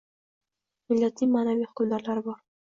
Millatning ma’naviy hukmdorlari bor.